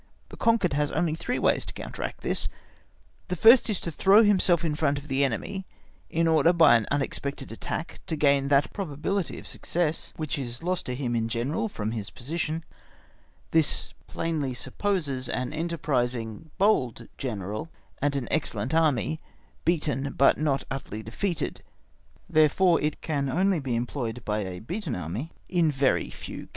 (*) The conquered has only three ways to counteract this: the first is to throw himself in front of the enemy, in order by an unexpected attack to gain that probability of success which is lost to him in general from his position; this plainly supposes an enterprising bold General, and an excellent Army, beaten but not utterly defeated; therefore, it can only be employed by a beaten Army in very few cases.